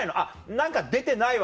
何か出てないわ。